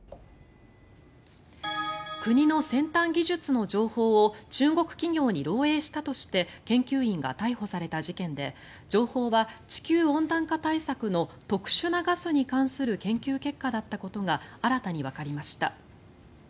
国の先端技術の情報を中国企業に漏えいしたとして研究員が逮捕された事件で情報は地球温暖化対策の特殊なガスに関する研究結果だったことが新たにわかりました。